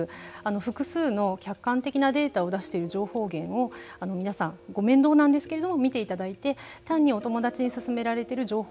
複数の客観的なデータを出している情報源を皆さん、面倒なんですけれども見ていただいて単にお友達に勧められている情報